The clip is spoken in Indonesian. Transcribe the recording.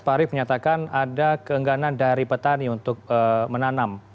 pak arief menyatakan ada keengganan dari petani untuk menanam